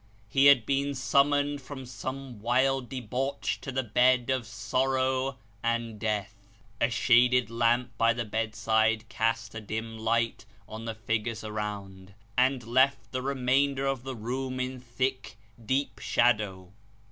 He had been sum moned from some wild debauch to the bed of sorrow and death. A shaded lamp by the bedside cast a dim light on the figures around, and left the remainder of the room in thick, deep shadow.